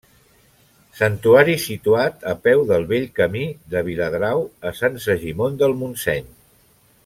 Santuari situat a peu del vell camí de Viladrau a Sant Segimon del Montseny.